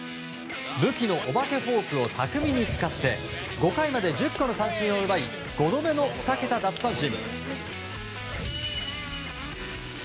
武器のお化けフォークを巧みに使って５回まで１０個の三振を奪い５度目の２桁奪三振。